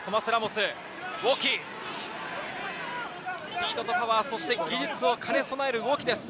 スピードとパワー、そして技術を兼ね備えるウォキです。